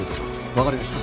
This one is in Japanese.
わかりました。